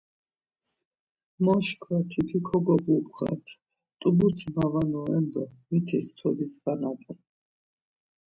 Moşkva tipi kogobubğat, t̆ubuti mavanoren do mitisti tolis va nat̆en.